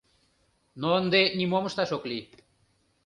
Но ынде нимом ышташ ок лий.